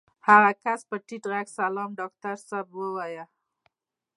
هغه کس په ټيټ غږ سلام ډاکټر صاحب ووايه.